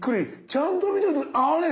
ちゃんと見てもあれ？